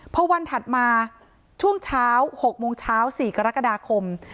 พอวันถัดมาช่วงเช้า๖โมงเช้า๔กรกฎาคม